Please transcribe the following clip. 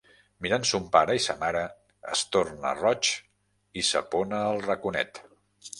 Mirant son pare i sa mare, es torna roig i s'apona al raconet.